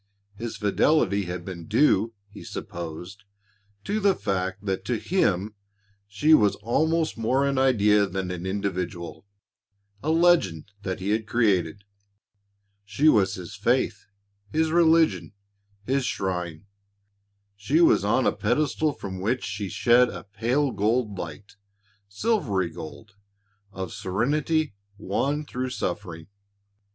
His fidelity had been due, he supposed, to the fact that to him she was almost more an idea than an individual, a legend that he had created. She was his faith, his religion, his shrine. She was on a pedestal from which she shed a pale gold light silvery gold of serenity won through suffering.